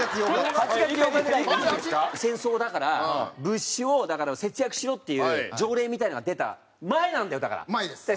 戦争だから物資を節約しろっていう条例みたいのが出た前なんだよだから。